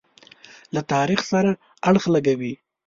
له تاریخ سره اړخ لګوي.